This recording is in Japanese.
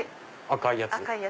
赤いやつ？